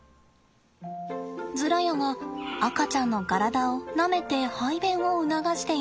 ズラヤが赤ちゃんの体をなめて排便を促しています。